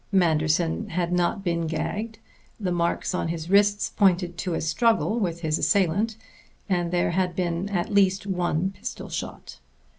Manderson had not been gagged; the marks on his wrists pointed to a struggle with his assailant; and there had been at least one pistol shot.